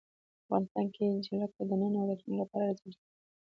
افغانستان کې جلګه د نن او راتلونکي لپاره ارزښت لري.